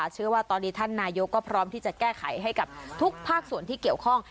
เชื่อว่าตอนนี้ท่านนายกก็พร้อมที่จะแก้ไขให้กับทุกภาคส่วนที่เกี่ยวข้อง